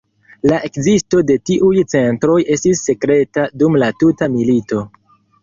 La ekzisto de tiuj centroj estis sekreta dum la tuta milito.